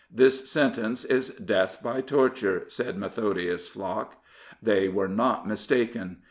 " This sentence is death by torture,'' said Methodius' flock. They were not mistaken.